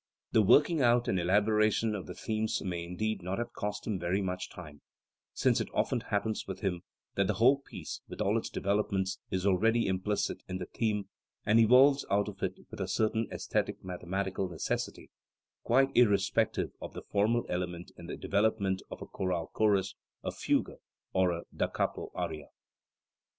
The working out and elaboration of the themes may in deed not have cost him very much time, since it often happens with him that the whole piece, with all its devel opments, is already implicit in the theme, and evolves out of it with a certain aesthetic mathematical necessity, quite irrespective of the formal element in the development of a chorale chorus, a fugue or a da capo aria.